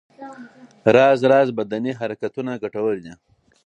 راز راز بدني حرکتونه ګټور دي.